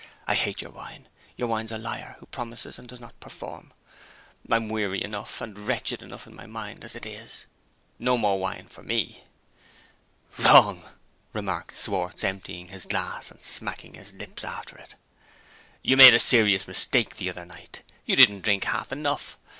I hate your wine! Your wine's a liar, who promises and doesn't perform! I'm weary enough, and wretched enough in my mind, as it is. No more wine for me!" "Wrong!" remarked Schwartz, emptying his glass, and smacking his lips after it. "You made a serious mistake the other night you didn't drink half enough.